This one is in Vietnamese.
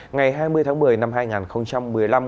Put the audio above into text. ngày hai mươi tháng một mươi năm hai nghìn một mươi năm